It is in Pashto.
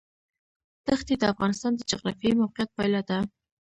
دښتې د افغانستان د جغرافیایي موقیعت پایله ده.